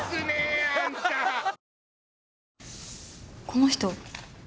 この人。